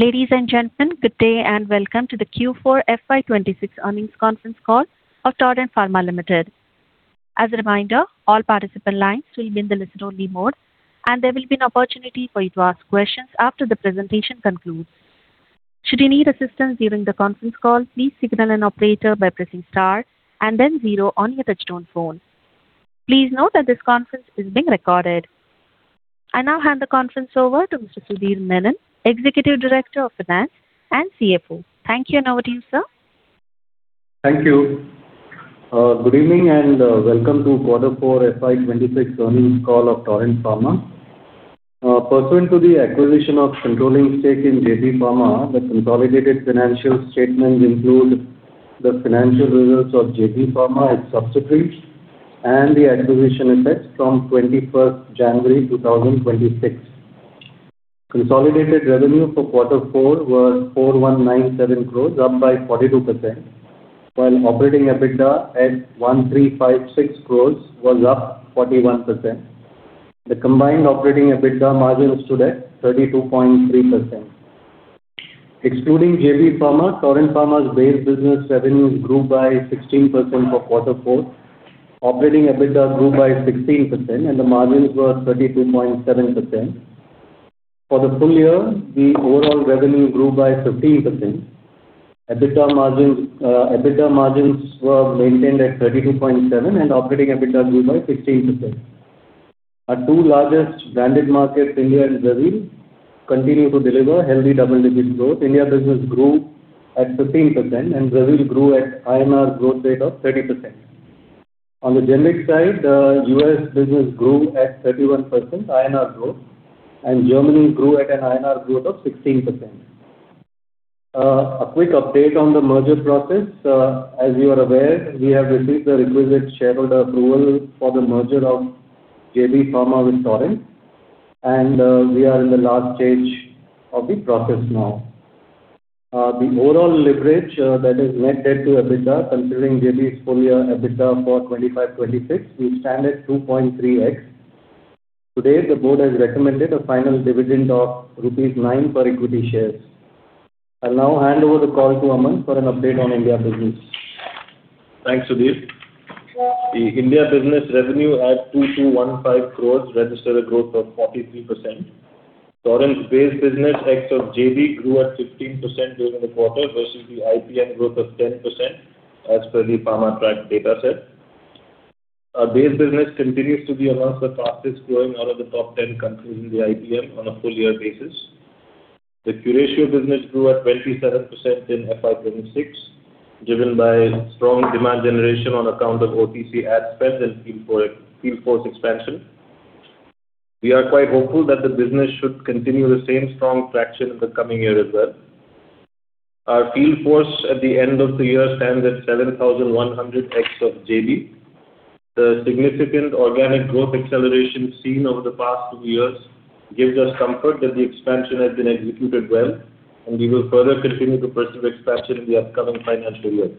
Ladies and gentlemen, good day and welcome to the Q4 FY 2026 earnings conference call of Torrent Pharma Limited. As a reminder, all participant lines will be in the listen-only mode, and there will be an opportunity for you to ask questions after the presentation concludes. Should you need assistance during the conference call, please signal an operator by pressing star and then zero on your touch-tone phone. Please note that this conference is being recorded. I now hand the conference over to Mr. Sudhir Menon, Executive Director of Finance and CFO. Thank you, and over to you, sir. Thank you. Good evening and welcome to quarter four FY 2026 earnings call of Torrent Pharma. Pursuant to the acquisition of controlling stake in JB Pharma, the consolidated financial statements include the financial results of JB Pharma, its subsidiaries, and the acquisition effects from 21st January 2026. Consolidated revenue for quarter four was 4,197 crore, up by 42%, while operating EBITDA at 1,356 crore was up 41%. The combined operating EBITDA margin stood at 32.3%. Excluding JB Pharma, Torrent Pharma's base business revenues grew by 16% for quarter four. Operating EBITDA grew by 16%. The margins were 32.7%. For the full year, the overall revenue grew by 15%. EBITDA margins were maintained at 32.7%. Operating EBITDA grew by 15%. Our two largest branded markets, India and Brazil, continue to deliver healthy double-digit growth. India business grew at 15%. Brazil grew at INR growth rate of 30%. On the generic side, the U.S. business grew at 31% INR growth, and Germany grew at an INR growth of 16%. A quick update on the merger process. As you are aware, we have received the requisite shareholder approval for the merger of JB Pharma with Torrent, and we are in the last stage of the process now. The overall leverage that is net debt to EBITDA, considering JB's full year EBITDA for 2025/2026, we stand at 2.3x. Today, the board has recommended a final dividend of rupees 9 per equity share. I'll now hand over the call to Aman for an update on India business. Thanks, Sudhir. The India business revenue at 2,215 crores registered a growth of 43%. Torrent's base business ex of JB grew at 15% during the quarter versus the IPM growth of 10%, as per the PharmaTrac data set. Our base business continues to be amongst the fastest-growing out of the top 10 countries in the IPM on a full year basis. The Curatio business grew at 27% in FY 2026, driven by strong demand generation on account of OTC ad spend and field force expansion. We are quite hopeful that the business should continue the same strong traction in the coming year as well. Our field force at the end of the year stands at 7,100 ex of JB. The significant organic growth acceleration seen over the past two years gives us comfort that the expansion has been executed well, and we will further continue to pursue expansion in the upcoming financial year.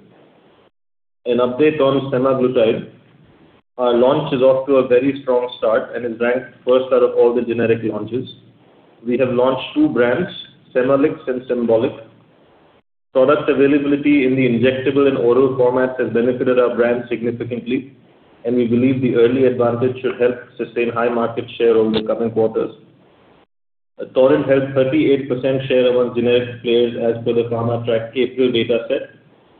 An update on semaglutide. Our launch is off to a very strong start and is ranked first out of all the generic launches. We have launched two brands, Semalix and Sembolic. Product availability in the injectable and oral formats has benefited our brand significantly, and we believe the early advantage should help sustain high market share over the coming quarters. Torrent has 38% share among generic players as per the PharmaTrac April data set,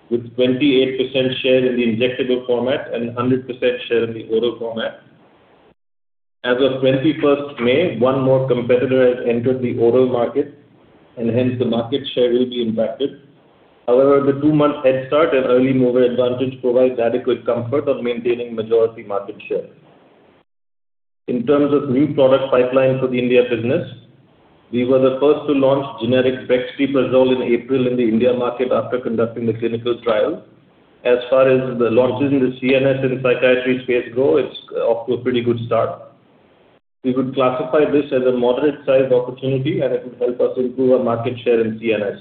with 28% share in the injectable format and 100% share in the oral format. As of 21st May, one more competitor has entered the oral market, and hence the market share will be impacted. The two-month head start and early mover advantage provides adequate comfort of maintaining majority market share. In terms of new product pipeline for the India business, we were the first to launch generic brexpiprazole in April in the India market after conducting the clinical trial. The launches in the CNS and psychiatry space go, it's off to a pretty good start. We would classify this as a moderate-sized opportunity, and it will help us improve our market share in CNS.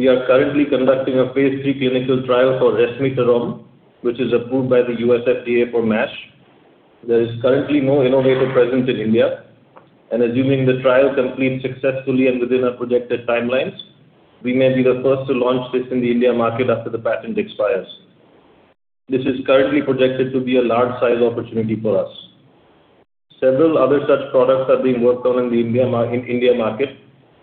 We are currently conducting a phase III clinical trial for resmetirom, which is approved by the U.S. FDA for MASH. There is currently no innovator present in India, and assuming the trial completes successfully and within our projected timelines, we may be the first to launch this in the India market after the patent expires. This is currently projected to be a large size opportunity for us. Several other such products are being worked on in India market,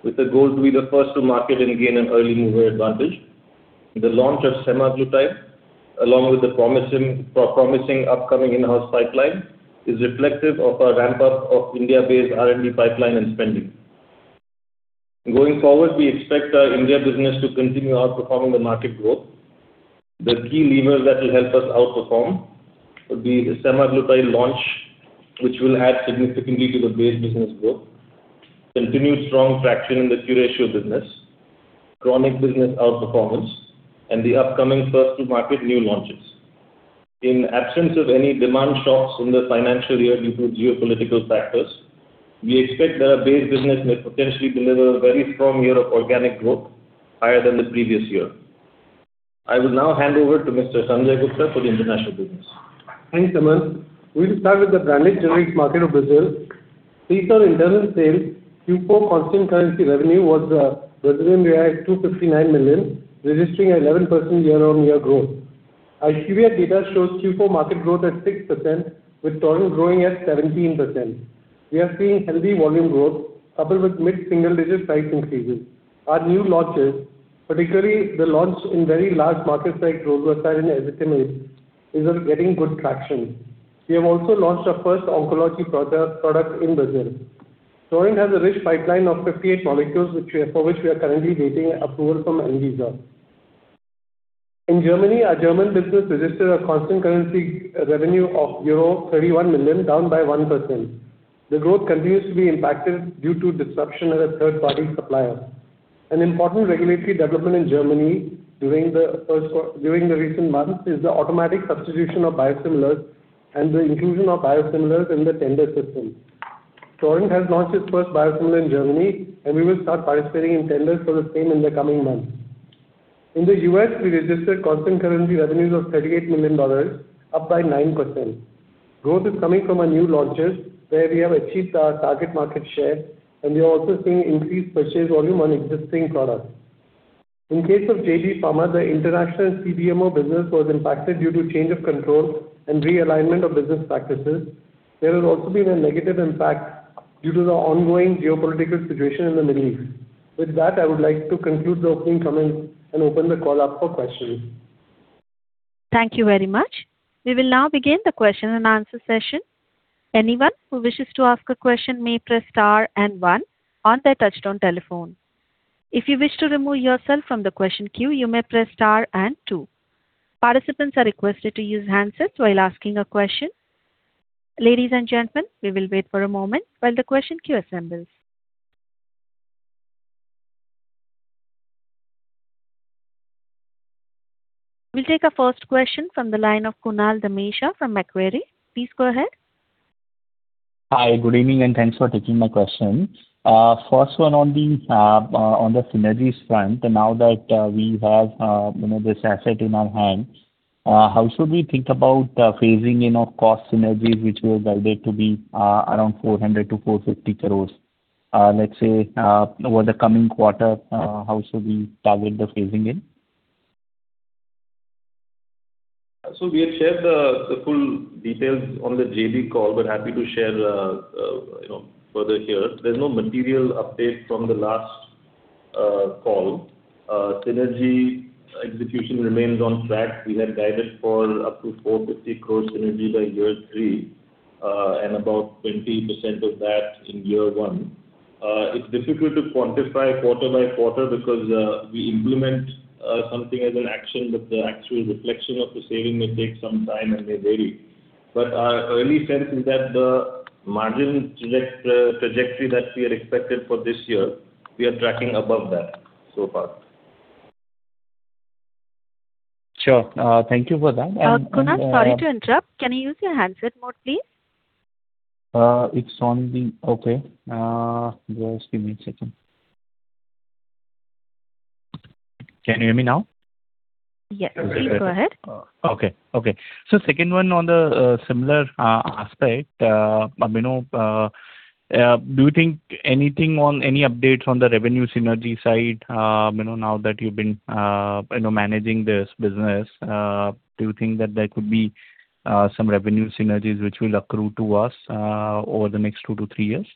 with the goal to be the first to market and gain an early mover advantage. The launch of semaglutide, along with the promising upcoming in-house pipeline, is reflective of our ramp-up of India-based R&D pipeline and spending. Going forward, we expect our India business to continue outperforming the market growth. The key levers that will help us outperform would be the semaglutide launch, which will add significantly to the base business growth, continued strong traction in the Curatio business, chronic business outperformance, and the upcoming first-to-market new launches. In absence of any demand shocks in the financial year due to geopolitical factors, we expect that our base business may potentially deliver a very strong year of organic growth higher than the previous year. I will now hand over to Mr. Sanjay Gupta for the international business. Thanks, Aman. We'll start with the branded generics market of Brazil. Based on internal sales, Q4 constant currency revenue was 259 million, registering 11% year-on-year growth. IQVIA data shows Q4 market growth at 6%, with Torrent growing at 17%. We are seeing healthy volume growth coupled with mid-single-digit price increases. Our new launches, particularly the launch in very large markets like rosuvastatin and azithromycin, these are getting good traction. We have also launched our first oncology product in Brazil. Torrent has a rich pipeline of 58 molecules for which we are currently waiting approval from ANVISA. In Germany, our German business registered a constant currency revenue of euro 31 million, down by 1%. The growth continues to be impacted due to disruption at a third-party supplier. An important regulatory development in Germany during the recent months is the automatic substitution of biosimilars and the inclusion of biosimilars in the tender system. Torrent has launched its first biosimilar in Germany, and we will start participating in tenders for the same in the coming months. In the U.S., we registered constant currency revenues of $38 million, up by 9%. Growth is coming from our new launches where we have achieved our target market share, and we are also seeing increased purchase volume on existing products. In case of JB Pharma, the international CDMO business was impacted due to change of control and realignment of business practices. There has also been a negative impact due to the ongoing geopolitical situation in the Middle East. I would like to conclude the opening comments and open the call up for questions. Thank you very much. We will now begin the question and answer session. Anyone who wishes to ask a question may press star and one on their touch-tone telephone. If you wish to remove yourself from the question queue, you may press star and two. Participants are requested to use handsets while asking a question. Ladies and gentlemen, we will wait for a moment while the question queue assembles. We will take our first question from the line of Kunal Dhamesha from Macquarie. Please go ahead. Hi, good evening. Thanks for taking my question. First one on the synergies front. Now that we have this asset in our hands, how should we think about the phasing in of cost synergies, which were guided to be around 400 crores-450 crores? Let's say, over the coming quarter, how should we target the phasing in? We had shared the full details on the JB call, but happy to share further here. There's no material update from the last call. Synergy execution remains on track. We had guided for up to 450 crore synergy by year three, and about 20% of that in year one. It's difficult to quantify quarter by quarter because we implement something as an action, but the actual reflection of the saving may take some time, and they vary. Our early sense is that the margin trajectory that we had expected for this year, we are tracking above that so far. Sure. Thank you for that. Kunal, sorry to interrupt. Can you use your handset mode, please? Okay. Just give me a second. Can you hear me now? Yes. Please go ahead. Okay. Second one on the similar aspect. Do you think anything on any updates on the revenue synergy side now that you've been managing this business? Do you think that there could be some revenue synergies which will accrue to us over the next two to three years?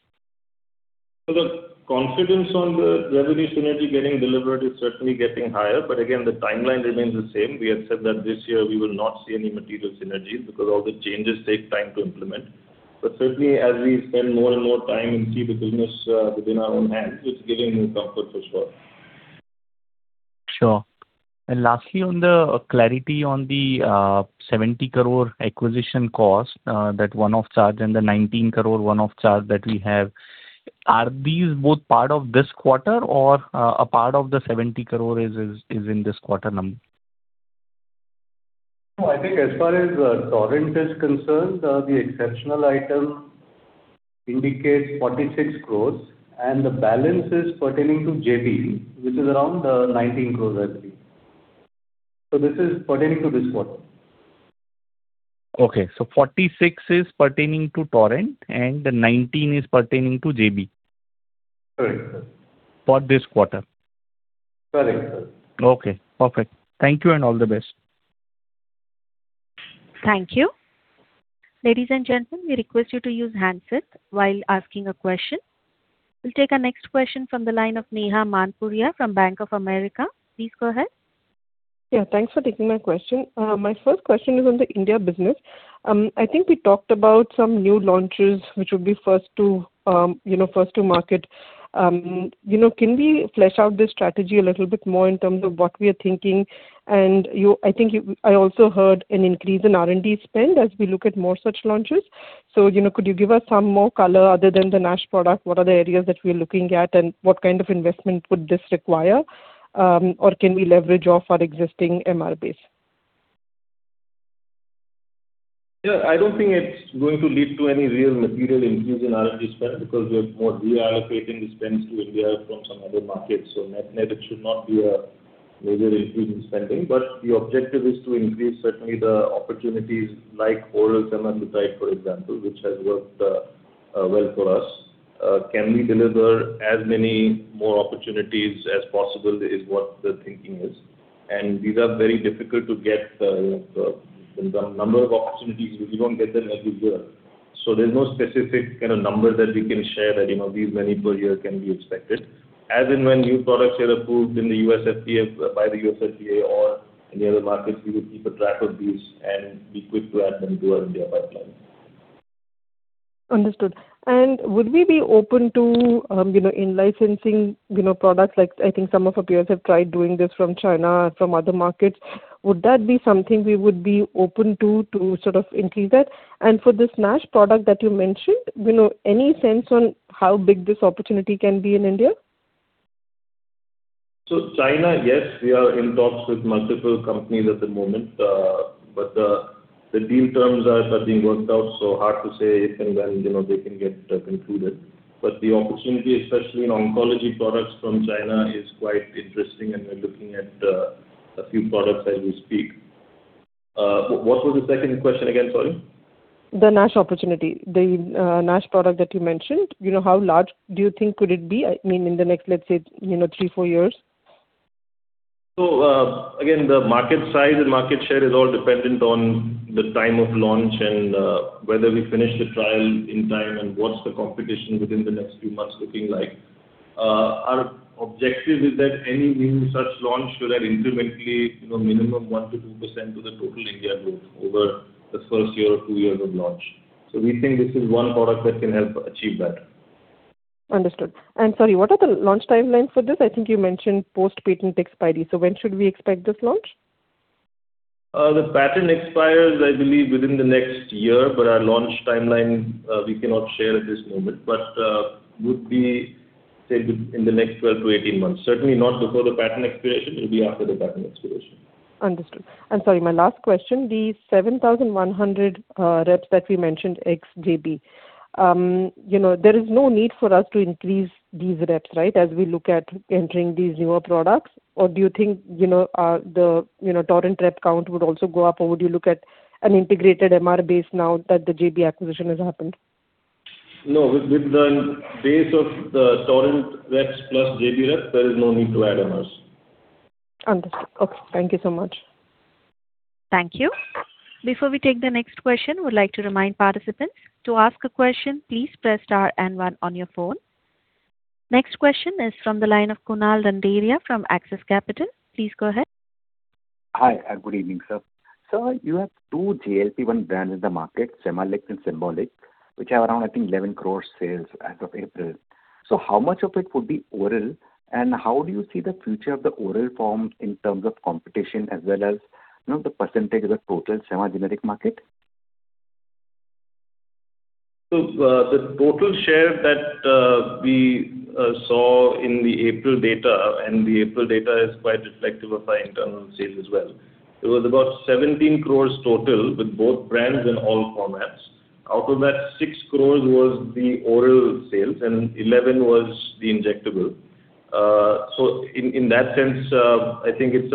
The confidence on the revenue synergy getting delivered is certainly getting higher, again, the timeline remains the same. We had said that this year we will not see any material synergies because all the changes take time to implement. Certainly, as we spend more and more time and see the business within our own hands, it's giving me comfort for sure. Sure. Lastly, on the clarity on the 70 crore acquisition cost, that one-off charge, and the 19 crore one-off charge that we have. Are these both part of this quarter or a part of the 70 crore is in this quarter number? I think as far as Torrent is concerned, the exceptional item indicates 46 crores, and the balance is pertaining to JB, which is around 19 crores, I believe. This is pertaining to this quarter. Okay, 46 crores is pertaining to Torrent, and the 19 crores is pertaining to JB. Correct, sir. For this quarter. Correct, sir. Okay, perfect. Thank you, and all the best. Thank you. Ladies and gentlemen, we request you to use handsets while asking a question. We will take our next question from the line of Neha Manpuria from Bank of America. Please go ahead. Yeah, thanks for taking my question. My first question is on the India business. I think we talked about some new launches, which will be first to market. Can we flesh out this strategy a little bit more in terms of what we are thinking? I also heard an increase in R&D spend as we look at more such launches. Could you give us some more color other than the NASH product? What are the areas that we're looking at, and what kind of investment would this require? Can we leverage off our existing MRs? Yeah, I don't think it's going to lead to any real material increase in R&D spend because we're more reallocating the spends to India from some other markets. Net-net, it should not be a major increase in spending. The objective is to increase certainly the opportunities like oral semaglutide, for example, which has worked well for us. Can we deliver as many more opportunities as possible is what the thinking is. These are very difficult to get the number of opportunities. You don't get them every year. There's no specific number that we can share that these many per year can be expected. As and when new products get approved in the U.S. FDA by the U.S. FDA or any other markets, we will keep a track of these and be quick to add them to our India pipeline. Understood. Would we be open to in-licensing products like I think some of our peers have tried doing this from China, from other markets. Would that be something we would be open to increase that? For this NASH product that you mentioned, any sense on how big this opportunity can be in India? China, yes, we are in talks with multiple companies at the moment. The deal terms are still being worked out, so hard to say if and when they can get concluded. The opportunity, especially in oncology products from China, is quite interesting and we're looking at a few products as we speak. What was the second question again, sorry? The NASH opportunity. The NASH product that you mentioned, how large do you think could it be, I mean, in the next, let's say, three to four years? Again, the market size and market share is all dependent on the time of launch and whether we finish the trial in time and what's the competition within the next few months looking like. Our objective is that any new such launch should add incrementally minimum 1%-2% to the total India growth over the first year or two years of launch. We think this is one product that can help achieve that. Understood. Sorry, what are the launch timelines for this? I think you mentioned post-patent expiry. When should we expect this launch? The patent expires, I believe, within the next year, but our launch timeline, we cannot share at this moment. Would be, say, within the next 12-18 months. Certainly not before the patent expiration. It'll be after the patent expiration. Understood. Sorry, my last question, these 7,100 reps that we mentioned ex-JB. There is no need for us to increase these reps, right, as we look at entering these newer products? Do you think the Torrent rep count would also go up or would you look at an integrated MR base now that the JB acquisition has happened? No, with the base of the Torrent reps plus JB reps, there is no need to add MRs. Understood. Okay. Thank you so much. Thank you. Before we take the next question, would like to remind participants, to ask a question, please press star and one on your phone. Next question is from the line of Kunal Randeria from Axis Capital. Please go ahead. Hi and good evening, sir. Sir, you have two GLP-1 brands in the market, Semalix and Sembolic, which have around, I think, 11 crores sales as of April. How much of it would be oral, and how do you see the future of the oral form in terms of competition as well as the percentage of the total semi-generic market? The total share that we saw in the April data, and the April data is quite reflective of our internal sales as well. It was about 17 crore total with both brands in all formats. Out of that, 6 crore was the oral sales and 11 crore was the injectable. In that sense, I think it's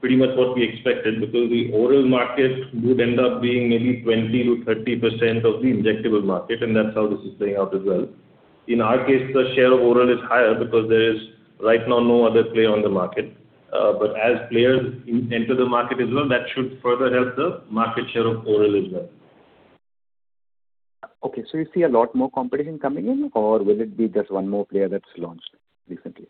pretty much what we expected because the oral market would end up being maybe 20%-30% of the injectable market, and that's how this is playing out as well. In our case, the share of oral is higher because there is right now no other player on the market. As players enter the market as well, that should further help the market share of oral as well. Okay, you see a lot more competition coming in or will it be just one more player that's launched recently?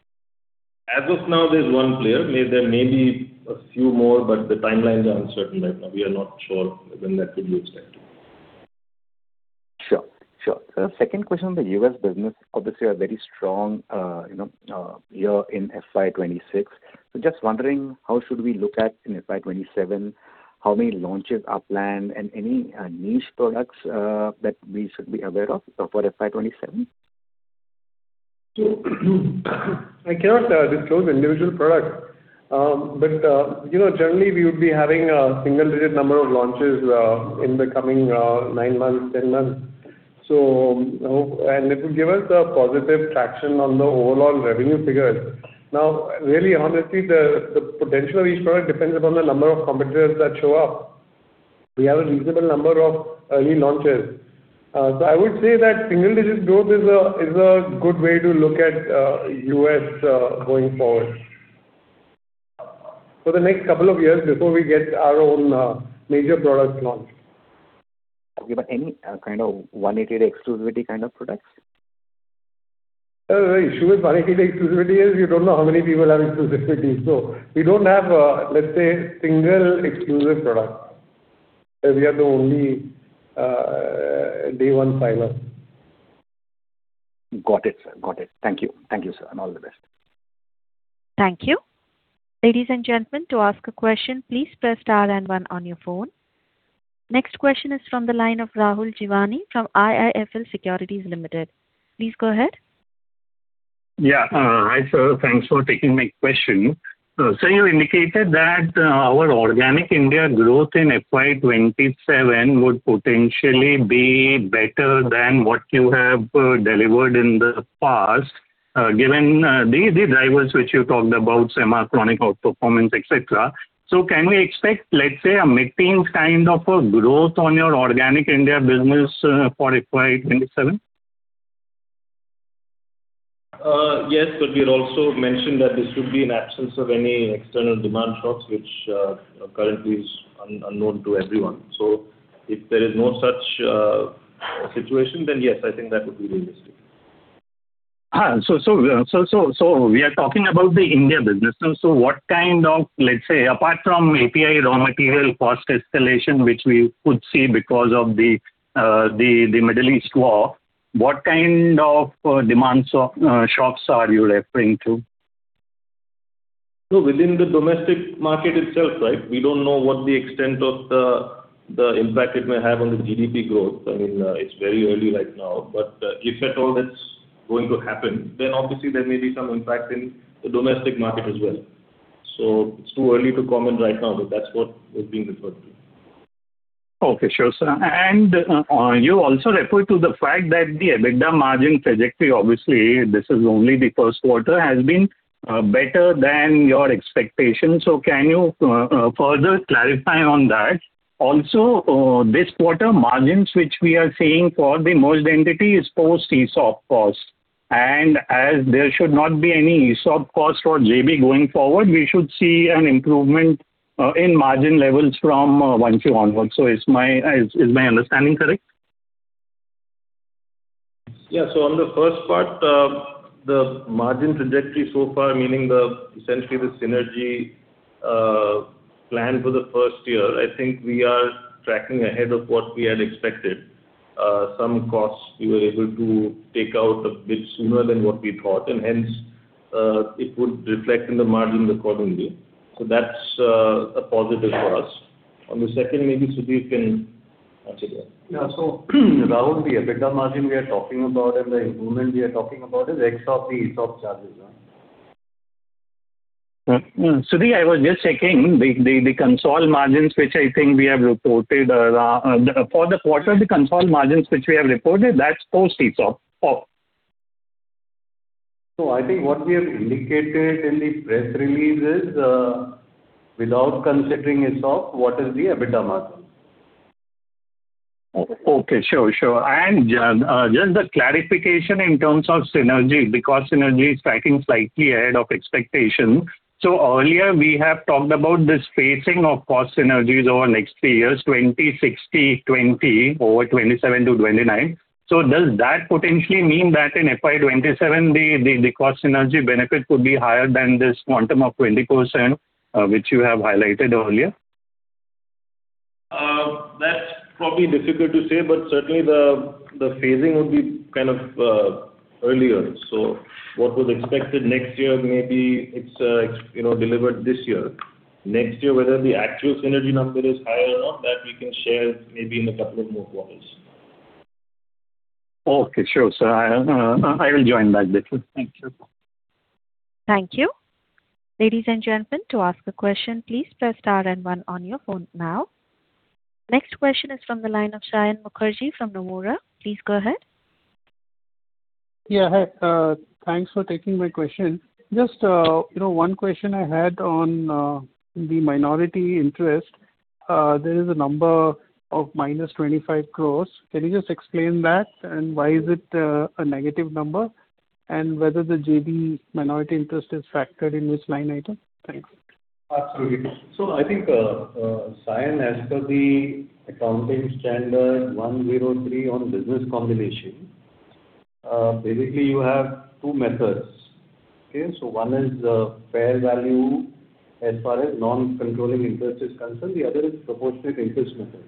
As of now, there's one player. There may be a few more, but the timelines are uncertain right now. We are not sure when that could be expected. Sure. Second question on the U.S. business. Obviously, you are very strong year in FY 2026. Just wondering how should we look at in FY 2027, how many launches are planned and any niche products that we should be aware of for FY 2027? I cannot disclose individual products. Generally, we would be having a single-digit number of launches in the coming 9-10 months. It will give us a positive traction on the overall revenue figures. Now, really honestly, the potential of each product depends upon the number of competitors that show up. We have a reasonable number of early launches. I would say that single-digit growth is a good way to look at U.S. going forward for the next couple of years before we get our own major products launched. Okay. Any kind of 180-day exclusivity kind of products? The issue with 180-day exclusivity is you don't know how many people have exclusivity. We don't have, let's say, single exclusive product, where we are the only day one filer. Got it, sir. Thank you, sir, and all the best. Thank you. Ladies and gentlemen, to ask a question, please press star and one on your phone. Next question is from the line of Rahul Jeewani from IIFL Securities Limited. Please go ahead. Yeah. Hi, sir. Thanks for taking my question. Sir, you indicated that our organic India growth in FY 2027 would potentially be better than what you have delivered in the past, given the drivers which you talked about, semi-chronic outperformance, et cetera. Can we expect, let's say, a mid-teen kind of a growth on your organic India business for FY 2027? Yes, we'll also mention that this would be in absence of any external demand shocks, which currently is unknown to everyone. If there is no such situation, then yes, I think that would be realistic. We are talking about the India business. What kind of, let's say, apart from API raw material cost escalation, which we could see because of the Middle East war, what kind of demand shocks are you referring to? Within the domestic market itself, we don't know what the extent of the impact it may have on the GDP growth. It's very early right now. If at all that's going to happen, then obviously there may be some impact in the domestic market as well. It's too early to comment right now, but that's what is being referred to. Okay. Sure, sir. You also referred to the fact that the EBITDA margin trajectory, obviously, this is only the first quarter, has been better than your expectations. Can you further clarify on that? Also, this quarter margins which we are seeing for the merged entity is post-ESOP cost. As there should not be any ESOP cost for JB going forward, we should see an improvement in margin levels from 1Q onwards. Is my understanding correct? On the first part, the margin trajectory so far, meaning essentially the synergy planned for the first year, I think we are tracking ahead of what we had expected. Some costs we were able to take out a bit sooner than what we thought, hence, it would reflect in the margin accordingly. That's a positive for us. On the second, maybe Sudhir can answer that. Yeah. Rahul, the EBITDA margin we are talking about and the improvement we are talking about is ex of the ESOP charges. Sudhir, I was just checking the consol margins which I think we have reported. For the quarter, the consol margins which we have reported, that's post-ESOP. I think what we have indicated in the press release is, without considering ESOP, what is the EBITDA margin. Okay. Sure. Just the clarification in terms of synergy, because synergy is tracking slightly ahead of expectation. Earlier we have talked about this phasing of cost synergies over the next three years, 20%/60%/20% over 2027 to 2029. Does that potentially mean that in FY 2027, the cost synergy benefit could be higher than this quantum of 20%, which you have highlighted earlier? That's probably difficult to say, but certainly the phasing would be kind of earlier. What was expected next year, maybe it's delivered this year. Next year, whether the actual synergy number is higher or not, that we can share maybe in a couple of more quarters. Okay, sure. Sir, I will join back the queue. Thank you. Thank you. Ladies and gentlemen. Next question is from the line of Saion Mukherjee from Nomura. Please go ahead. Yeah, hi. Thanks for taking my question. Just one question I had on the minority interest. There is a number of -25 crores. Can you just explain that and why is it a negative number, and whether the JB minority interest is factored in this line item? Thanks. Absolutely. I think, Saion, as per Ind AS 103 on business combination, basically you have two methods. One is fair value as far as non-controlling interest is concerned. The other is proportionate interest method.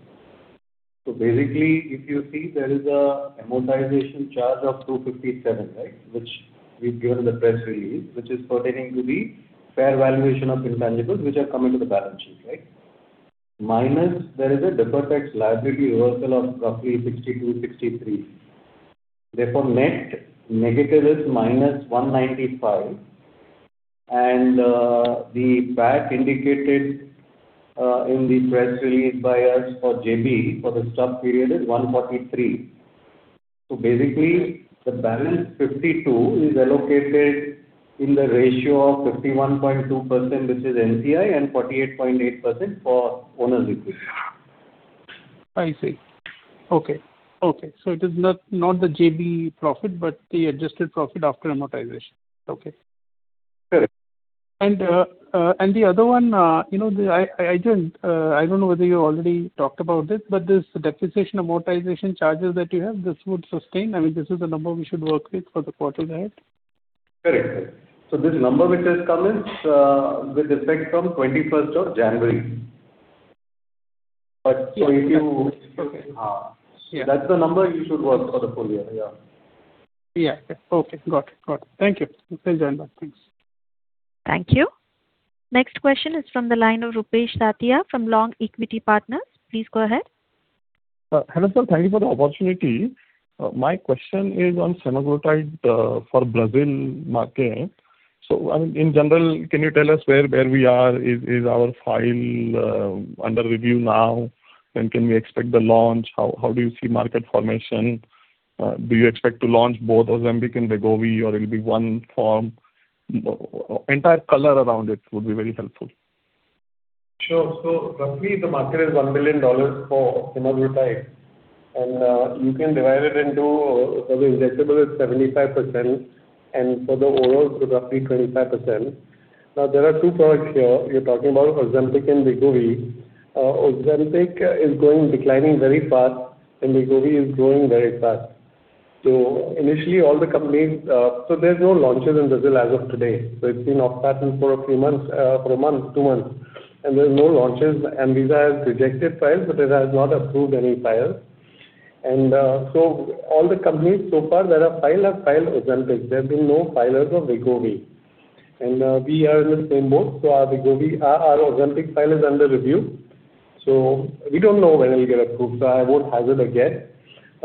Basically, if you see, there is a amortization charge of 257, which we've given in the press release, which is pertaining to the fair valuation of intangibles which have come into the balance sheet. Minus, there is a deferred tax liability reversal of roughly 62-63. Therefore, net negative is -195, and the PAT indicated in the press release by us for JB for the stub period is 143. Basically, the balance 52 is allocated in the ratio of 51.2%, which is NCI, and 48.8% for owner's equity. I see. Okay. It is not the JB profit, but the adjusted profit after amortization. Okay. Correct. The other one, I don't know whether you already talked about it, but this depreciation amortization charges that you have, this would sustain. I mean, this is the number we should work with for the quarter ahead? Correct. This number which has come is with effect from 21st of January. Okay. That's the number you should work for the full year. Yeah. Okay. Got it. Thank you. I'll join back. Thanks. Thank you. Next question is from the line of Rupesh Tatiya from Long Equity Partners. Please go ahead. Hello, sir. Thank you for the opportunity. My question is on semaglutide for Brazil market. In general, can you tell us where we are? Is our file under review now? When can we expect the launch? How do you see market formation? Do you expect to launch both Ozempic and Wegovy, or it'll be one form? Entire color around it would be very helpful. Sure. Roughly the market is $1 billion for semaglutide, and you can divide it into, so the injectable is 75%, and for the orals is roughly 25%. There are two products here. You're talking about Ozempic and Wegovy. Ozempic is declining very fast, and Wegovy is growing very fast. There's no launches in Brazil as of today. It's been off-patent for a few months, one, two months, and there's no launches. ANVISA has rejected files, but it has not approved any files. All the companies so far that have filed have filed Ozempic. There have been no filers of Wegovy. We are in the same boat. Our Ozempic file is under review, so we don't know when it'll get approved. I won't hazard a guess.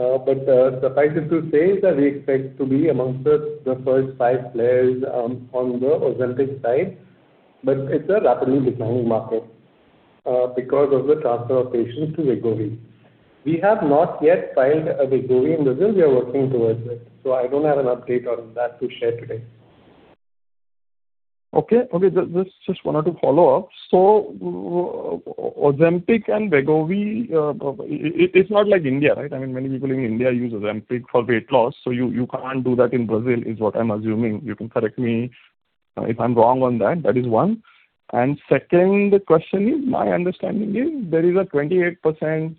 Suffice it to say that we expect to be amongst the first five players on the Ozempic side. It's a rapidly declining market because of the transfer of patients to Wegovy. We have not yet filed a Wegovy in Brazil. We are working towards it. I don't have an update on that to share today. Okay. Just one or two follow-ups. Ozempic and Wegovy, it's not like India, right? Many people in India use Ozempic for weight loss. You can't do that in Brazil is what I'm assuming. You can correct me if I'm wrong on that. That is one. Second question is, my understanding is there is a 28%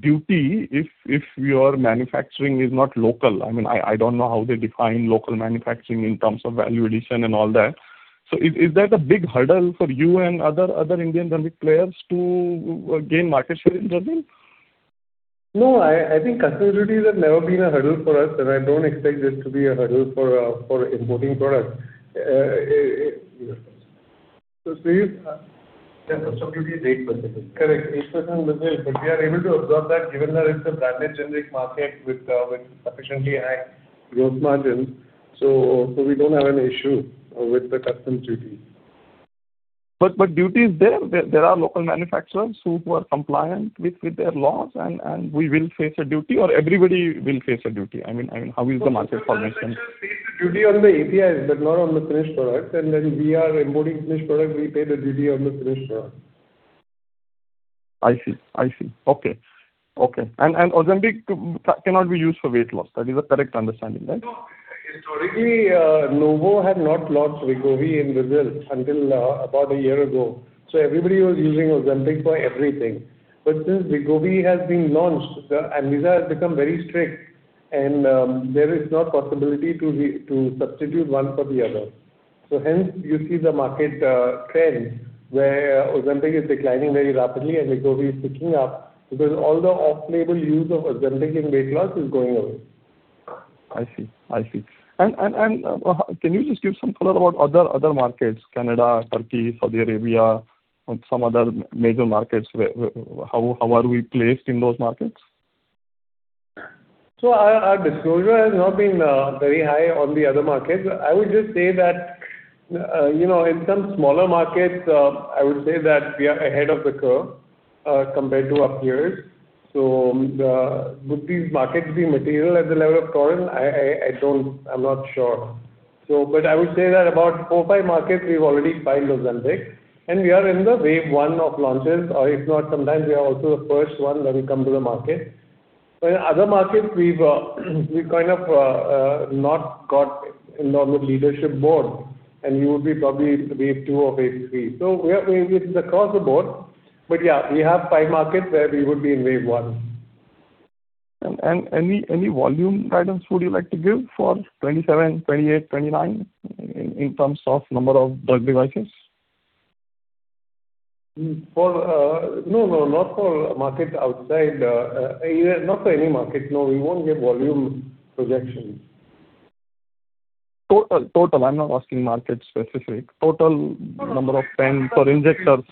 duty if your manufacturing is not local. I don't know how they define local manufacturing in terms of value addition and all that. Is that a big hurdle for you and other Indian generic players to gain market share in Brazil? No, I think custom duties have never been a hurdle for us, and I don't expect this to be a hurdle for importing products. Sudhir? Yeah, custom duty is 8%. Correct. 8% in Brazil, we are able to absorb that given that it's a branded generic market with sufficiently high gross margins. We don't have an issue with the custom duty. Duty is there. There are local manufacturers who are compliant with their laws, and we will face a duty, or everybody will face a duty. How is the market formation? Local manufacturers face the duty on the APIs, but not on the finished product. When we are importing finished product, we pay the duty on the finished product. I see. Okay. Ozempic cannot be used for weight loss. That is a correct understanding, right? No. Historically, Novo had not launched Wegovy in Brazil until about a year ago. Everybody was using Ozempic for everything. Since Wegovy has been launched, ANVISA has become very strict, and there is no possibility to substitute one for the other. Hence you see the market trends, where Ozempic is declining very rapidly and Wegovy is picking up because all the off-label use of Ozempic in weight loss is going away. I see. Can you just give some color about other markets, Canada, Turkey, Saudi Arabia, and some other major markets. How are we placed in those markets? Our disclosure has not been very high on the other markets. I would just say that in some smaller markets, I would say that we are ahead of the curve, compared to our peers. Would these markets be material at the level of Torrent? I'm not sure. I would say that about four or five markets we've already filed Ozempic, and we are in the wave one of launches. If not, sometimes we are also the first one when we come to the market. In other markets, we've kind of not got in on the leadership board, and you will be probably wave two or wave three. It's across the board. Yeah, we have five markets where we would be in wave one. Any volume guidance would you like to give for 2027, 2028, 2029 in terms of number of drug devices? No, not for any market. No, we won't give volume projections. Total. I'm not asking for market specific. Total number of pens or injectors.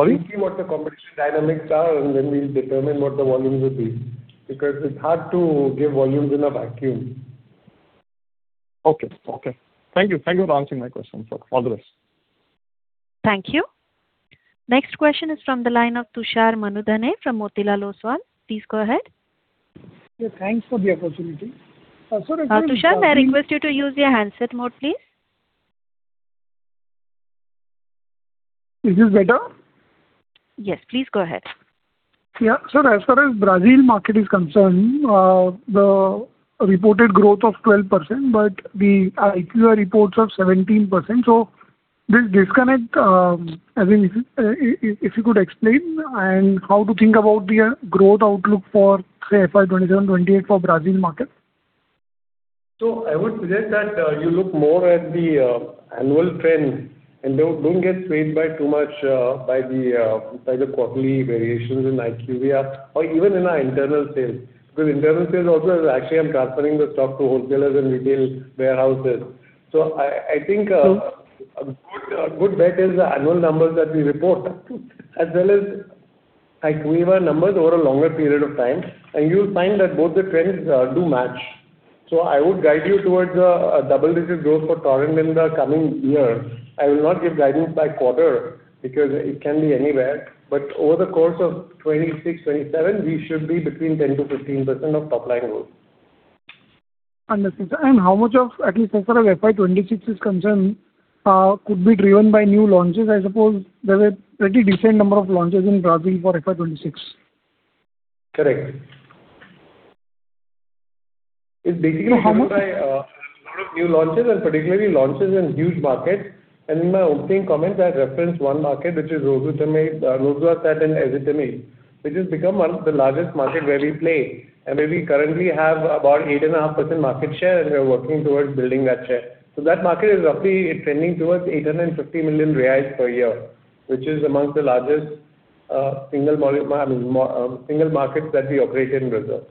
No, because we see. Sorry? We see what the competition dynamics are, and then we determine what the volumes would be, because it's hard to give volumes in a vacuum. Okay. Thank you. Thank you for answering my question, sir. All the best. Thank you. Next question is from the line of Tushar Manudhane from Motilal Oswal. Please go ahead. Thanks for the opportunity. Tushar, I request you to use your handset mode, please. Is this better? Yes. Please go ahead. Yeah. Sir, as far as Brazil market is concerned, the reported growth of 12%, but the IQVIA reports are 17%. This disconnect, if you could explain, and how to think about the growth outlook for, say, FY 2027, 2028 for Brazil market? I would suggest that you look more at the annual trends and don't get swayed too much by the quarterly variations in IQVIA or even in our internal sales, because internal sales also is actually I'm transferring the stock to wholesalers and retail warehouses. I think a good bet is the annual numbers that we report, as well as I believe our numbers over a longer period of time, and you'll find that both the trends do match. I would guide you towards a double-digit growth for Torrent in the coming year. I will not give guidance by quarter because it can be anywhere, but over the course of FY 2026/2027, we should be between 10%-15% of top-line growth. Understood, sir. How much of, at least as far as FY 2026 is concerned, could be driven by new launches, I suppose there's a pretty decent number of launches in Brazil for FY 2026. Correct. It's basically driven by a lot of new launches and particularly launches in huge markets. In my opening comments, I referenced one market, which is rosuvastatin/ezetimibe, which has become one of the largest markets where we play, and where we currently have about 8.5% market share, and we are working towards building that share. That market is roughly trending towards 850 million reais per year, which is amongst the largest single markets that we operate in Brazil.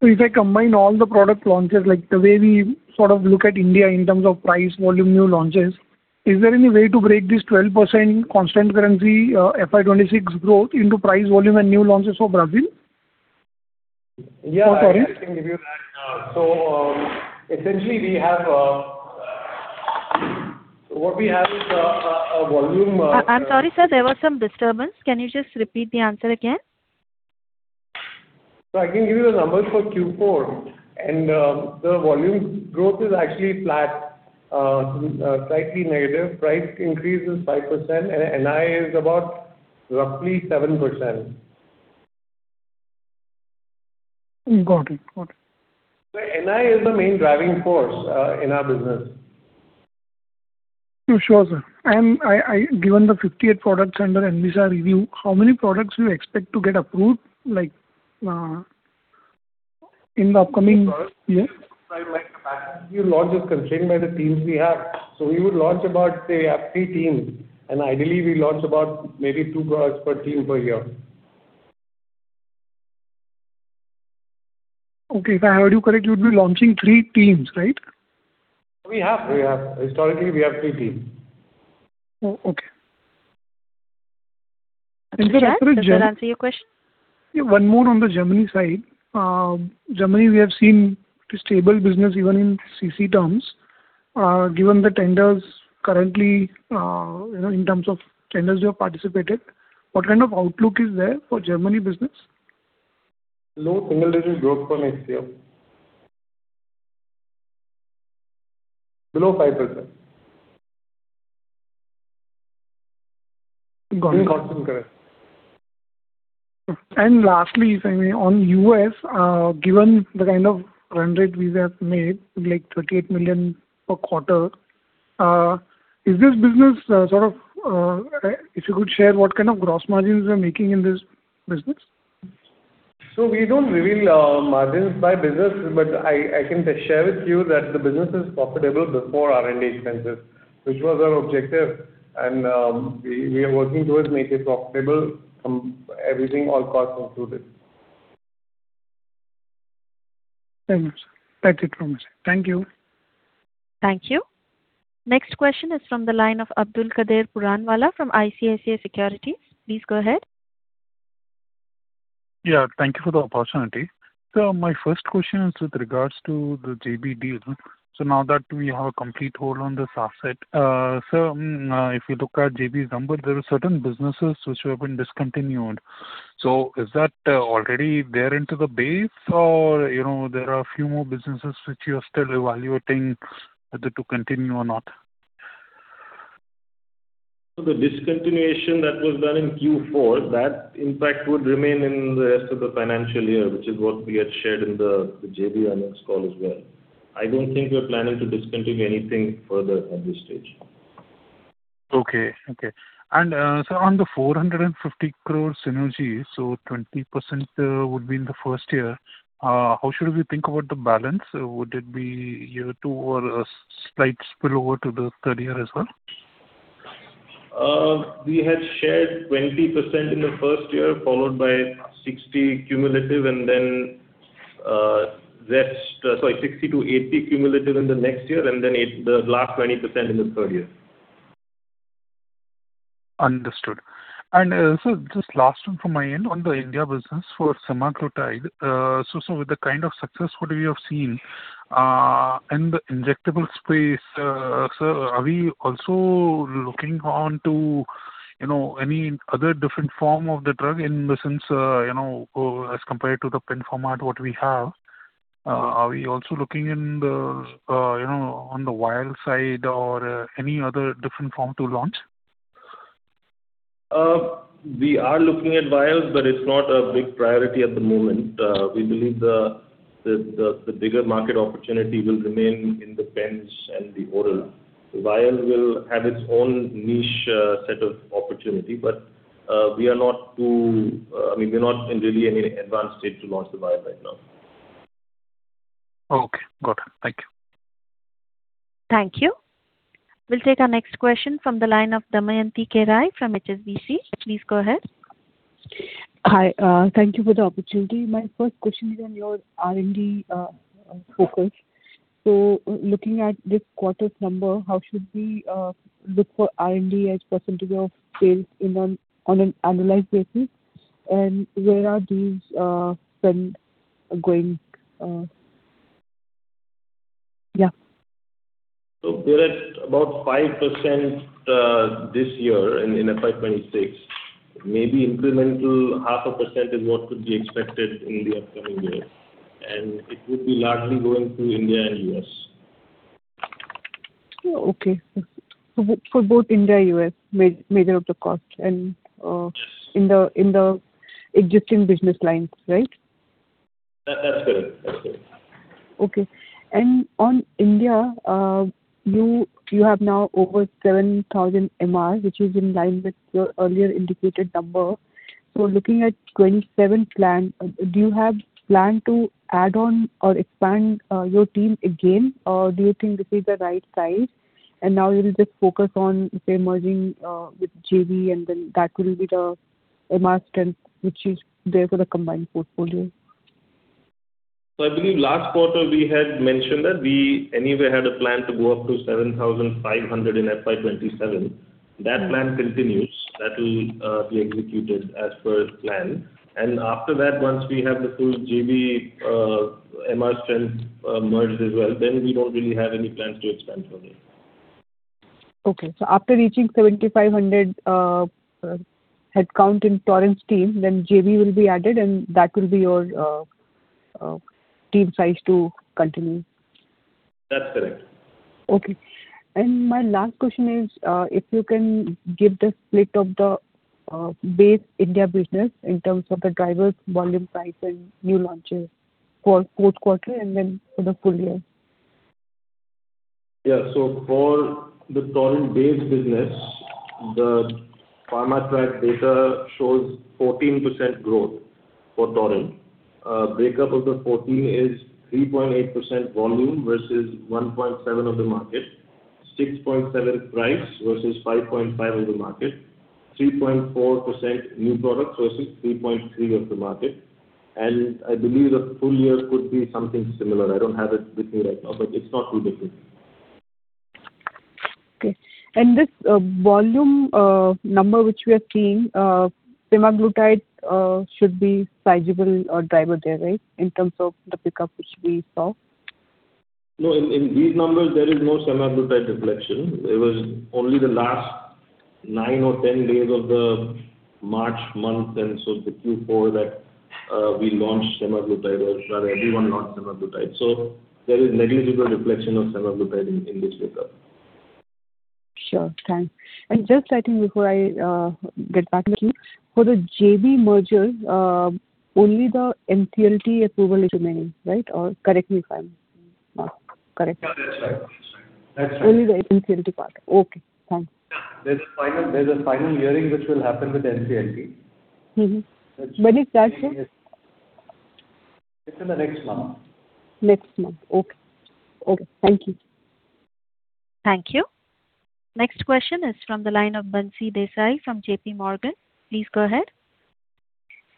If I combine all the product launches, like the way we sort of look at India in terms of price, volume, new launches, is there any way to break this 12% constant currency FY 2026 growth into price, volume and new launches for Brazil? Yeah. Sorry. I can give you that. essentially, what we have is a volume- I'm sorry, sir. There was some disturbance. Can you just repeat the answer again? I can give you the numbers for Q4, and the volume growth is actually flat, slightly negative. Price increase is 5%, and NI is about roughly 7%. Got it. NI is the main driving force in our business. Sure, sir. Given the 58 products under ANVISA review, how many products do you expect to get approved in the upcoming year? Sir, our new launch is constrained by the teams we have. We would launch about, say, have three teams, and ideally, we launch about maybe two products per team per year. Okay. If I heard you correctly, you'd be launching three teams, right? We have. Historically, we have three teams. Oh, okay. Mr. Shah, does that answer your question? Yeah, one more on the Germany side. Germany, we have seen pretty stable business even in CC terms. Given the tenders currently, in terms of tenders you have participated, what kind of outlook is there for Germany business? Low single-digit growth for next year. Below 5%. Got it. In constant currency. Lastly, if I may, on the U.S., given the kind of run rate we have made, like $38 million per quarter, if you could share what kind of gross margins you're making in this business? We don't reveal our margins by business, but I can share with you that the business is profitable before R&D expenses, which was our objective, and we are working towards making it profitable from everything, all costs included. Very well, sir. That's it from me, sir. Thank you. Thank you. Next question is from the line of Abdulkader Puranwala from ICICI Securities. Please go ahead. Yeah, thank you for the opportunity. My first question is with regards to the JB deal. Now that we have a complete hold on this asset. Sir, if you look at JB's numbers, there are certain businesses which have been discontinued. Is that already there into the base or there are a few more businesses which you are still evaluating whether to continue or not? The discontinuation that was done in Q4, that impact would remain in the rest of the financial year, which is what we had shared in the JB earnings call as well. I don't think we're planning to discontinue anything further at this stage. Okay. Sir, on the 450 crore synergy, so 20% would be in the first year. How should we think about the balance? Would it be year two or a slight spillover to the third year as well? We had shared 20% in the first year, followed by 60%-80% cumulative in the next year, and then the last 20% in the third year. Understood. Sir, just last one from my end on the India business for semaglutide. Sir, with the kind of success what we have seen in the injectable space, sir, are we also looking on to any other different form of the drug in the sense, as compared to the pen format what we have, are we also looking on the vial side or any other different form to launch? We are looking at vials, but it's not a big priority at the moment. We believe the bigger market opportunity will remain in the pens and the oral. The vial will have its own niche set of opportunity, but we are not in really any advanced state to launch the vial right now. Okay. Got it. Thank you. Thank you. We'll take our next question from the line of Damayanti Kerai from HSBC. Please go ahead. Hi. Thank you for the opportunity. My first question is on your R&D focus. Looking at this quarter's number, how should we look for R&D as percentage of sales on an annualized basis? Where are these spend going? Yeah. We're at about 5% this year in FY 2026. Maybe incremental half a percent is what could be expected in the upcoming year, and it would be largely going to India and U.S. Okay. for both India and U.S., major of the cost and- Yes. In the existing business lines, right? That's correct. Okay. On India, you have now over 7,000 MR, which is in line with your earlier indicated number. Looking at 2027 plan, do you have plan to add on or expand your team again, or do you think this is the right size and now you will just focus on, say, merging, with JB and then that will be the MR strength which is there for the combined portfolio? I believe last quarter we had mentioned that we anyway had a plan to go up to 7,500 in FY 2027. That plan continues. That will be executed as per plan. After that, once we have the full JB, MR strength merged as well, then we don't really have any plans to expand from here. Okay. After reaching 7,500 headcount in Torrent team, then JB will be added and that will be your team size to continue. That's correct. Okay. My last question is, if you can give the split of the base India business in terms of the drivers, volume, price, and new launches for fourth quarter and then for the full year. Yeah. For the Torrent base business, the PharmaTrac data shows 14% growth for Torrent. Breakup of the 14% is 3.8% volume versus 1.7% of the market, 6.7% price versus 5.5% of the market, 3.4% new product versus 3.3% of the market. I believe the full year could be something similar. I don't have it with me right now, but it's not too different. Okay. This volume number, which we are seeing, semaglutide should be sizable or driver there, right? In terms of the pickup which we saw. No, in these numbers, there is no semaglutide reflection. It was only the last nine or 10 days of the March month, the Q4 that we launched semaglutide or rather everyone launched semaglutide. There is negligible reflection of semaglutide in this breakup. Sure. Thanks. Just I think before I get back to you, for the JB merger, only the NCLT approval is remaining, right? Correct me if I'm wrong. Correct. That's right. Only the NCLT part. Okay. Thanks. Yeah. There's a final hearing which will happen with NCLT. Mm-hmm. When it starts, sir? It's in the next month. Next month. Okay. Thank you. Thank you. Next question is from the line of Bansi Desai from JPMorgan. Please go ahead.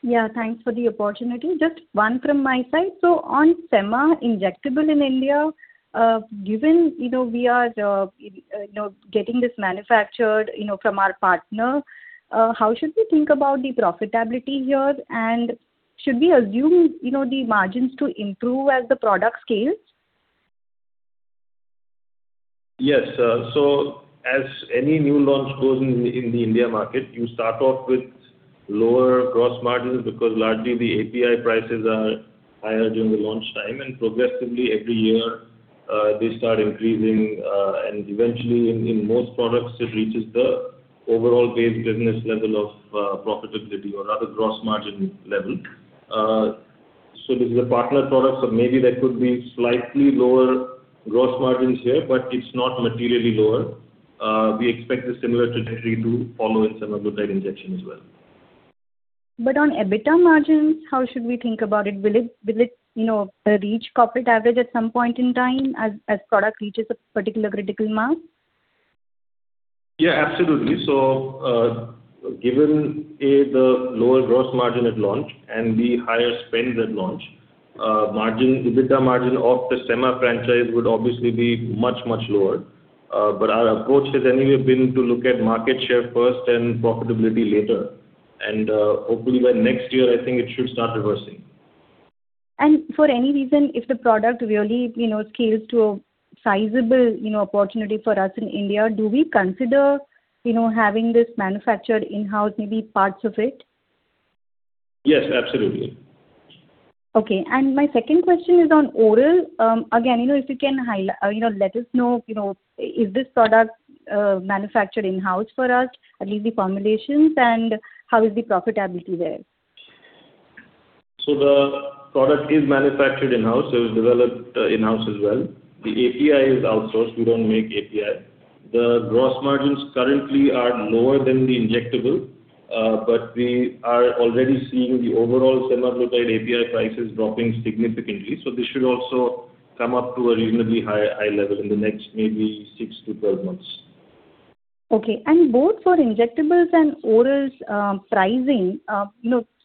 Yeah, thanks for the opportunity. Just one from my side. On semaglutide injectable in India, given we are getting this manufactured from our partner, how should we think about the profitability here? Should we assume the margins to improve as the product scales? Yes. As any new launch goes in the India market, you start off with lower gross margins because largely the API prices are higher during the launch time, and progressively every year, they start increasing, and eventually in most products, it reaches the overall base business level of profitability or rather gross margin level. This is a partner product, so maybe there could be slightly lower gross margins here, but it's not materially lower. We expect the similar trajectory to follow in semaglutide injection as well. On EBITDA margins, how should we think about it? Will it reach corporate average at some point in time as product reaches a particular critical mass? Yeah, absolutely. Given, A, the lower gross margin at launch and B, higher spend at launch, EBITDA margin of the semaglutide franchise would obviously be much, much lower. Our approach has anyway been to look at market share first and profitability later. Hopefully by next year, I think it should start reversing. For any reason, if the product really scales to a sizable opportunity for us in India, do we consider having this manufactured in-house, maybe parts of it? Yes. Absolutely. Okay. My second question is on oral. Again, if you can let us know, is this product manufactured in-house for us, at least the formulations, and how is the profitability there? The product is manufactured in-house. It was developed in-house as well. The API is outsourced. We don't make API. The gross margins currently are lower than the injectable. We are already seeing the overall semaglutide API prices dropping significantly. This should also come up to a reasonably high level in the next maybe 6-12 months. Okay. Both for injectables and orals pricing,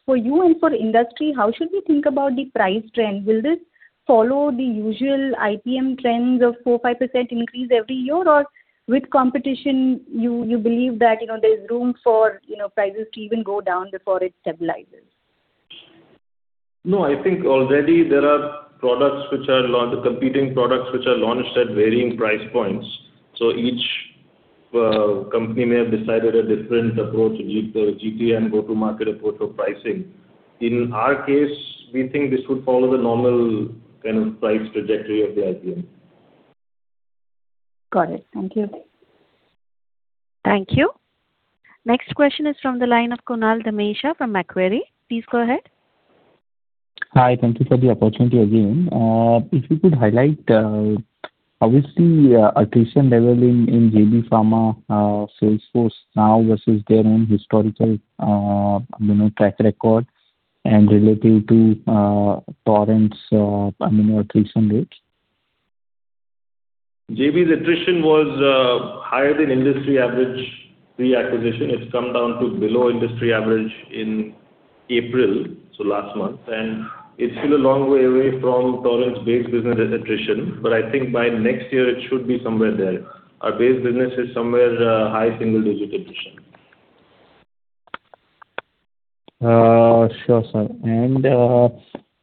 for you and for industry, how should we think about the price trend? Will this follow the usual IPM trends of 4%-5% increase every year? With competition, you believe that there's room for prices to even go down before it stabilizes? No, I think already there are competing products which are launched at varying price points. Each company may have decided a different approach, GTM go-to-market approach for pricing. In our case, we think this would follow the normal kind of price trajectory of the IPM. Got it. Thank you. Thank you. Next question is from the line of Kunal Dhamesha from Macquarie. Please go ahead. Hi. Thank you for the opportunity again. If you could highlight, obviously, attrition level in JB Pharma sales force now versus their own historical track record and relative to Torrent's attrition rates. JB's attrition was higher than industry average pre-acquisition. It's come down to below industry average in April, so last month. It's still a long way away from Torrent's base business as attrition. I think by next year, it should be somewhere there. Our base business is somewhere high single-digit attrition. Sure, sir.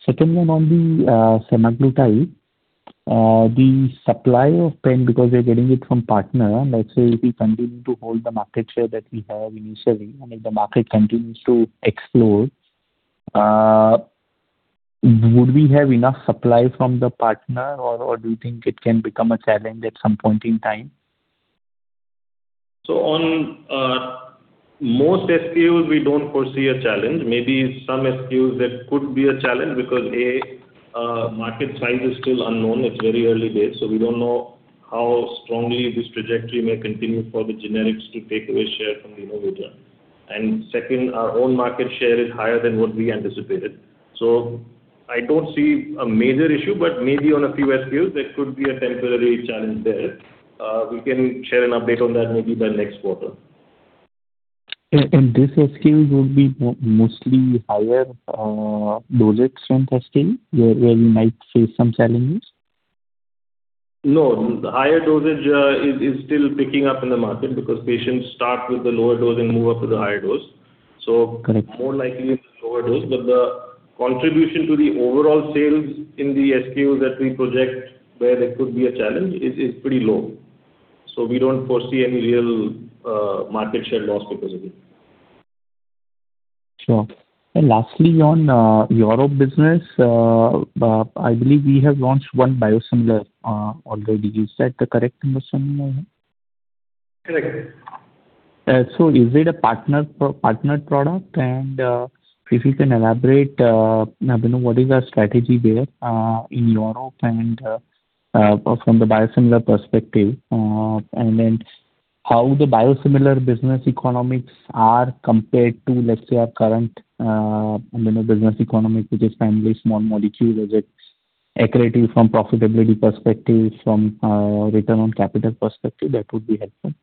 Second one on the semaglutide. The supply of pen, because we're getting it from partner, let's say if we continue to hold the market share that we have initially, and if the market continues to explode, would we have enough supply from the partner or do you think it can become a challenge at some point in time? On most SKUs, we don't foresee a challenge. Maybe some SKUs that could be a challenge because, A, market size is still unknown. It's very early days, so we don't know how strongly this trajectory may continue for the generics to take away share from the innovator. Second, our own market share is higher than what we anticipated. I don't see a major issue, but maybe on a few SKUs, there could be a temporary challenge there. We can share an update on that maybe by next quarter. These SKUs will be mostly higher dosage strength SKUs where you might face some challenges? No, higher dosage is still picking up in the market because patients start with the lower dose and move up to the higher dose. Correct. More likely it's lower dose, but the contribution to the overall sales in the SKUs that we project where there could be a challenge is pretty low. We don't foresee any real market share loss because of it. Sure. Lastly, on Europe business, I believe we have launched one biosimilar already. Is that the correct number, sir, you know? Correct. Is it a partnered product? If you can elaborate what is our strategy there in Europe and from the biosimilar perspective. How the biosimilar business economics are compared to, let's say, our current business economy, which is primarily small molecule. Is it accretive from profitability perspective, from return on capital perspective? That would be helpful.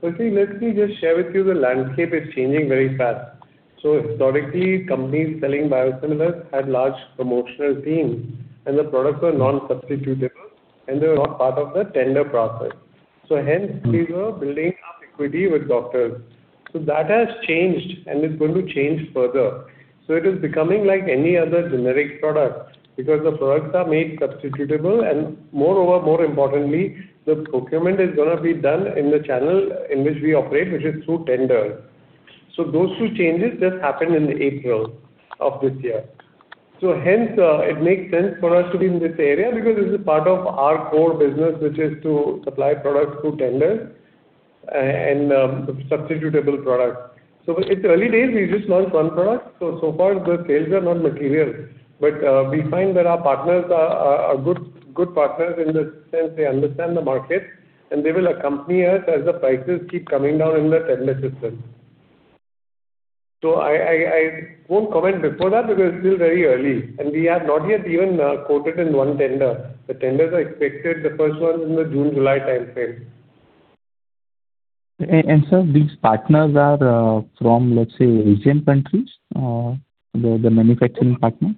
Firstly, let me just share with you the landscape is changing very fast. Historically, companies selling biosimilars had large promotional teams and the products were non-substitutable and they were not part of the tender process. Hence, we were building up equity with doctors. That has changed and it's going to change further. It is becoming like any other generic product because the products are made substitutable. Moreover, more importantly, the procurement is going to be done in the channel in which we operate, which is through tenders. Those two changes just happened in April of this year. Hence, it makes sense for us to be in this area because this is part of our core business, which is to supply products through tenders and the substitutable products. It's early days, we've just launched one product. Far the sales are not material, but we find that our partners are good partners in the sense they understand the market and they will accompany us as the prices keep coming down in the tender system. I won't comment before that because it is still very early and we have not yet even quoted in 1 tender. The tenders are expected, the first one in the June-July timeframe. Sir, these partners are from, let's say, Asian countries, the manufacturing partner?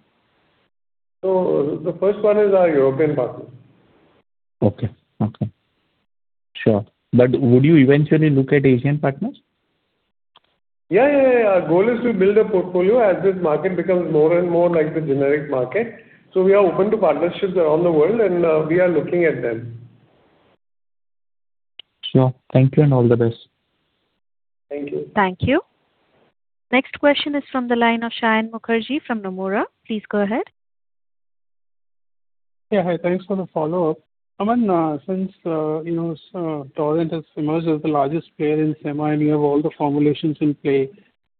The first one is our European partner. Okay. Sure. Would you eventually look at Asian partners? Yeah. Our goal is to build a portfolio as this market becomes more and more like the generic market. We are open to partnerships around the world and we are looking at them. Sure. Thank you and all the best. Thank you. Thank you. Next question is from the line of Saion Mukherjee from Nomura. Please go ahead. Yeah. Hi, thanks for the follow-up. Aman, since Torrent has emerged as the largest player in semaglutide and you have all the formulations in play.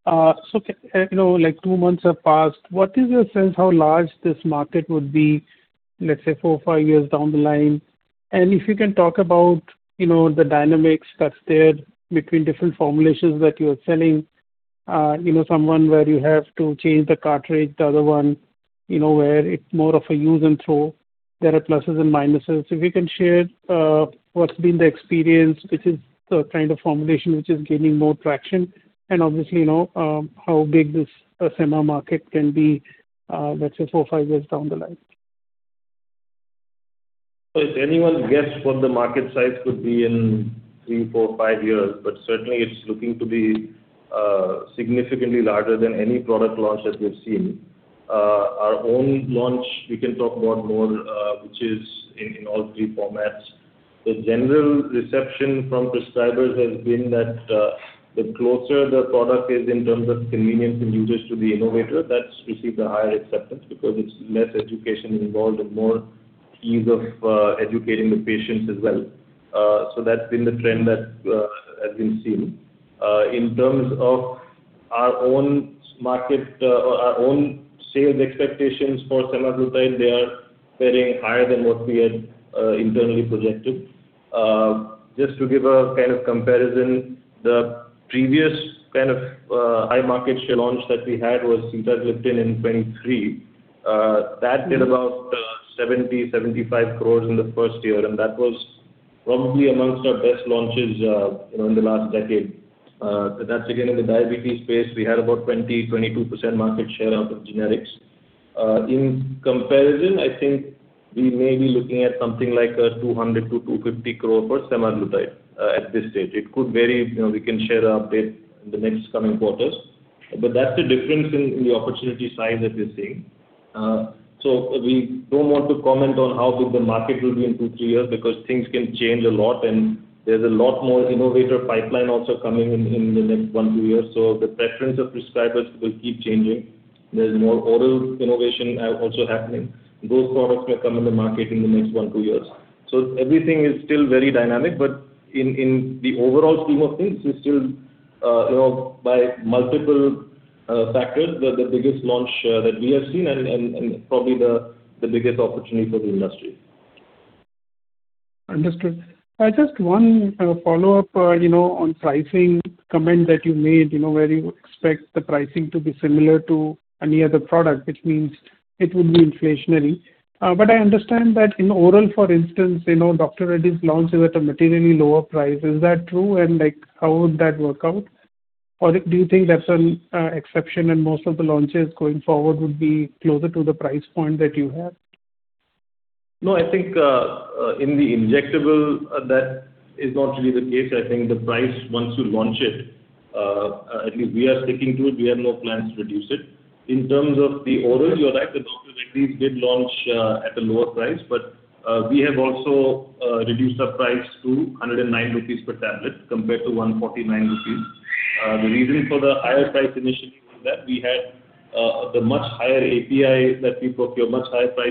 Like two months have passed. What is your sense how large this market would be, let's say, four or five years down the line? If you can talk about the dynamics that's there between different formulations that you are selling someone where you have to change the cartridge, the other one where it's more of a use and throw. There are pluses and minuses. If you can share what's been the experience, which is the kind of formulation which is gaining more traction and obviously, how big this semaglutide market can be, let's say four or five years down the line. It's anyone's guess what the market size could be in three, four, five years. Certainly it's looking to be significantly larger than any product launch that we've seen. Our own launch, we can talk about more, which is in all three formats. The general reception from prescribers has been that the closer the product is in terms of convenience and usage to the innovator, that's received a higher acceptance because it's less education involved and more ease of educating the patients as well. That's been the trend that has been seen. In terms of our own sales expectations for semaglutide, they are faring higher than what we had internally projected. Just to give a kind of comparison, the previous kind of high market share launch that we had was sitagliptin in 2023. That did about 70 crores-75 crores in the first year, that was probably amongst our best launches in the last decade. That's again, in the diabetes space. We had about 20%-22% market share out of generics. In comparison, I think we may be looking at something like 200 crores-250 crores for semaglutide at this stage. It could vary. We can share an update in the next coming quarters. That's the difference in the opportunity size that we're seeing. We don't want to comment on how good the market will be in two to three years because things can change a lot and there's a lot more innovator pipeline also coming in the next one to two years. The preference of prescribers will keep changing. There's more oral innovation also happening. Those products may come in the market in the next one to two years. Everything is still very dynamic, but in the overall scheme of things, it's still by multiple factors, the biggest launch that we have seen and probably the biggest opportunity for the industry. Understood. Just one follow-up on pricing comment that you made, where you expect the pricing to be similar to any other product, which means it would be inflationary. I understand that in oral, for instance, Dr. Reddy's launched it at a materially lower price. Is that true? How would that work out? Do you think that's an exception and most of the launches going forward would be closer to the price point that you have? No, I think in the injectable, that is not really the case. I think the price, once you launch it, at least we are sticking to it. We have no plans to reduce it. In terms of the orals, you are right, Dr. Reddy's did launch at a lower price, but we have also reduced our price to 109 rupees per tablet compared to 149 rupees. The reason for the higher price initially was that we had the much higher priced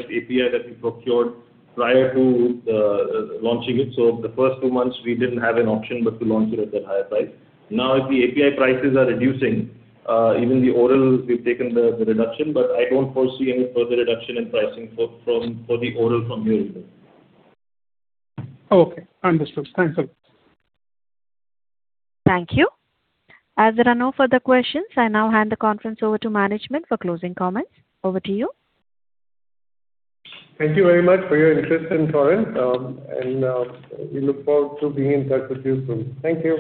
API that we procured prior to launching it. The first two months, we didn't have an option but to launch it at that higher price. Now, as the API prices are reducing, even the oral, we have taken the reduction, but I don't foresee any further reduction in pricing for the oral from here itself. Okay, understood. Thanks a lot. Thank you. As there are no further questions, I now hand the conference over to management for closing comments. Over to you. Thank you very much for your interest in Torrent, and we look forward to being in touch with you soon. Thank you.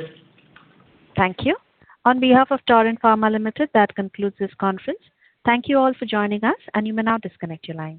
Thank you. On behalf of Torrent Pharma Limited, that concludes this conference. Thank you all for joining us and you may now disconnect your lines.